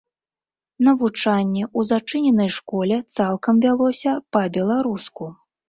Навучанне у зачыненай школе цалкам вялося па-беларуску.